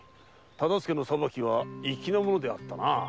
大岡の裁きは粋なものであったな。